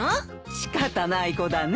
仕方ない子だね。